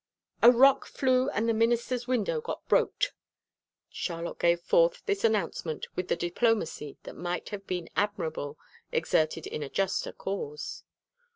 "A rock flew and the minister's window got broked." Charlotte gave forth this announcement with a diplomacy that might have been admirable exerted in a juster cause.